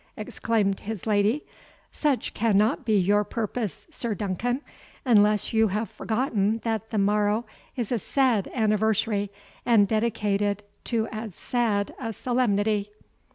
exclaimed his lady; "such cannot be your purpose, Sir Duncan, unless you have forgotten that the morrow is a sad anniversary, and dedicated to as sad a solemnity."